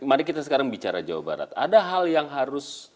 atau bisa mendapat apa yang harus